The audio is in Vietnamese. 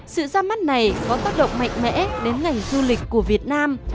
sự ra mắt này có tác động mạnh mẽ đến ngành du lịch của việt nam